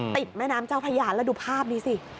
แม่น้ำเจ้าพระยาแล้วดูภาพนี้สิ